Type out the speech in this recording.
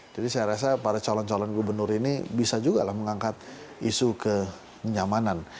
jadi saya rasa para calon calon gubernur ini bisa juga mengangkat isu kenyamanan